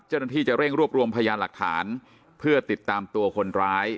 เจ้าหน้าที่จะเร่งรวบรวมพยานหลักฐานเพื่อติดตามตัวคนร้าย